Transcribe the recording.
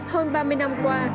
hơn ba mươi năm qua